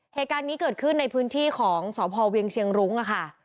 เหตุการณ์นี้เกิดขึ้นในพื้นที่ของสพเวียงเชียงรุ้งค่ะ